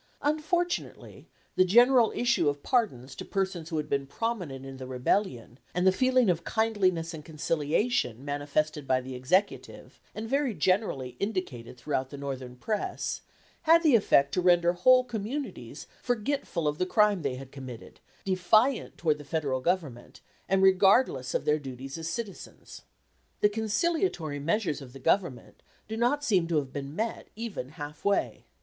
Unfortunately the general issue of pardons to persons who had been prominent in the rebellion, and the feeling of kindliness and conciliation manifested by the Executive, and very generally indicated through the Northern press, had the effect to render whole communities forgetful of the crime they had committed, defiant towards the Federal Government, and regardless of their duties as citizens. The conciliatory measures of the Government do not seem to have been met even half way.